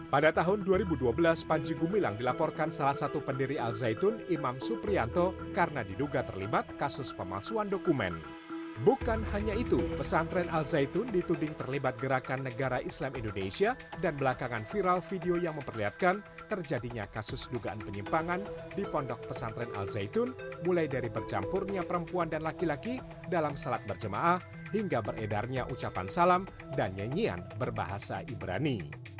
pada tahun dua ribu dua belas panji gumilang dilaporkan salah satu pendiri al zaitun imam suprianto karena diduga terlibat kasus pemalsuan dokumen bukan hanya itu pesantren al zaitun dituding terlibat gerakan negara islam indonesia dan belakangan viral video yang memperlihatkan terjadinya kasus dugaan penyimpangan di pondok pesantren al zaitun mulai dari bercampurnya perempuan dan laki laki dalam salat berjemaah hingga beredarnya ucapan salam dan nyanyian berbahasa ibrani